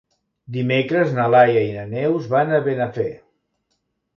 Dimecres na Laia i na Neus van a Benafer.